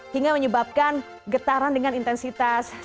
hingga menyebabkan getaran dengan intensitas